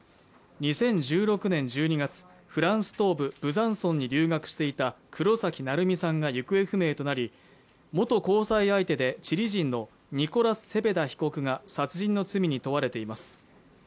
２０１６年１２月フランス東部ブザンソンに留学していた黒崎愛海さんが行方不明となり元交際相手でチリ人のニコラス・セペダ被告が殺人の罪に問われています